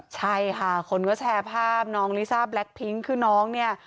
ใช่ค่ะคนก็แชร์ภาพน้องลิซ่าแล็คพิ้งคือน้องเนี่ย